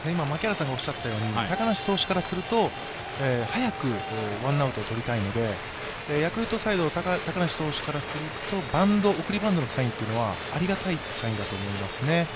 高梨投手からすると、早くワンアウトを取りたいのでヤクルトサイド、高梨選手からすると、送りバントのサインはありがたいサインだと思いますね。